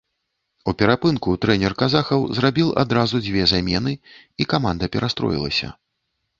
У перапынку трэнер казахаў зрабіў адразу дзве замены, і каманда перастроілася.